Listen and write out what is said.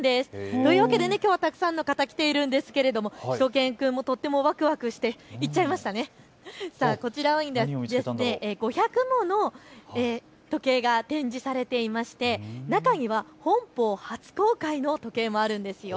というわけで、きょうはたくさんの方、来ているんですがしゅと犬くんもとってもワクワクしてこちらは５００もの時計が展示されていまして中には本邦初公開の時計もあるんです。